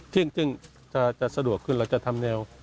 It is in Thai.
ซึ่งจะสะดวกขึ้นเราจะทำแนว